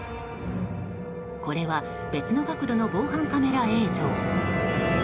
これは、別の角度の防犯カメラ映像。